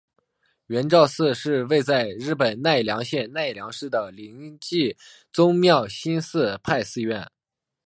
圆照寺是位在日本奈良县奈良市的临济宗妙心寺派寺院。